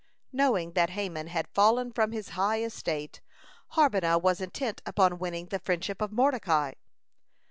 Knowing that Haman had fallen from his high estate, Harbonah was intent upon winning the friendship of Mordecai.